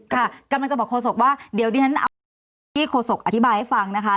เดี๋ยวมันจะบอกโฆษกว่าเดี๋ยวดิฉันเอาที่โฆษกอธิบายให้ฟังนะคะ